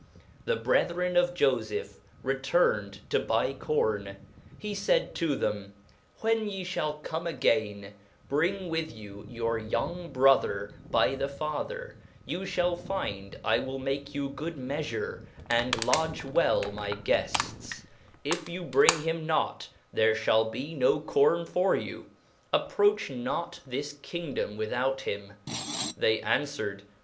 The brethren of fofeph returned to buy cornc 3 he faid to them, when ye iliall come again, bring with you your yong brother by the father, youfhall finde 1 will make you good meafure, and lodge well my guelh; if you bring him not, there {Kail be no corne for you, approach not this king dom without him ; They anfwered.